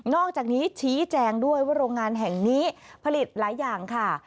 อกจากนี้ชี้แจงด้วยว่าโรงงานแห่งนี้ผลิตหลายอย่างค่ะ